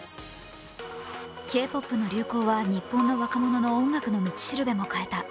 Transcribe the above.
Ｋ−ＰＯＰの流行は日本の若者の音楽の道しるべも変えた。